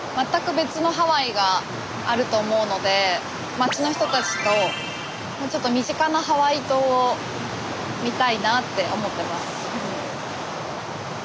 町の人たちとちょっと身近なハワイ島を見たいなって思ってます。